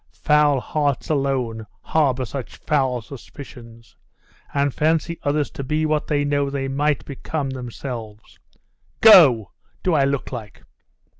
Foul hearts alone harbour such foul suspicions, and fancy others to be what they know they might become themselves. Go! Do I look like